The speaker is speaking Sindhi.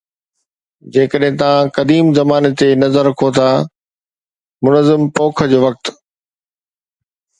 جيڪڏهن توهان قديم زماني تي نظر رکون ٿا، منظم پوک جو وقت